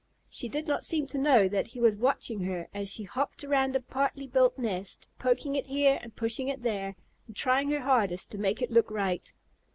She did not seem to know that he was watching her as she hopped around the partly built nest, poking it here and pushing it there, and trying her hardest to make it look right.